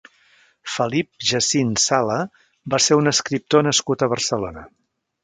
Felip Jacint Sala va ser un escriptor nascut a Barcelona.